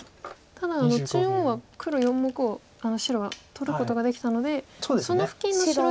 ただ中央は黒４目を白は取ることができたのでその付近の白石はもう安心と。